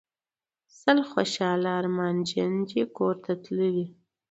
سل خوشحاله ارمانجن دي ګورته تللي